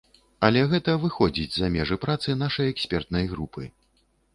Але гэта выходзіць за межы працы нашай экспертнай групы.